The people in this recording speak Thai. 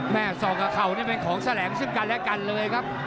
ศอกกับเข่านี่เป็นของแสลงซึ่งกันและกันเลยครับ